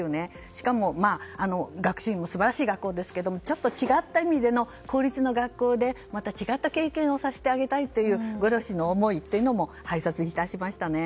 しかも、学習院も素晴らしい学校ですがちょっと違った意味での公立の学校でまた違った経験をさせてあげたいというご両親の思いも拝察いたしましたね。